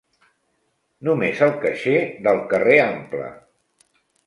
Només el caixer del carrer Ample.